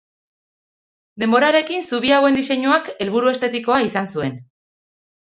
Denborarekin zubi hauen diseinuak helburu estetikoa izan zuen.